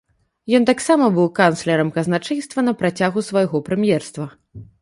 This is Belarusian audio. Ён таксама быў канцлерам казначэйства на працягу свайго прэм'ерства.